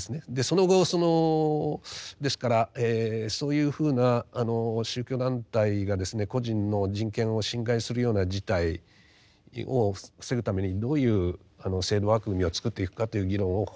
その後ですからそういうふうな宗教団体がですね個人の人権を侵害するような事態を防ぐためにどういう制度枠組みを作っていくかという議論をほとんどしてこなかったと。